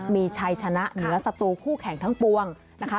มีชัยชนะเหนือสตูคู่แข่งทั้งปวงนะคะ